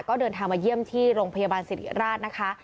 ก็เดินทางมาเยี่ยมที่โรงพยาบาลสิริราชนะคะ